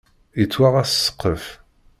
Yettwaɣ-as ssqef.